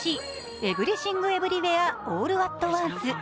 「エブリシング・エブリウェア・オール・アット・ワンス」。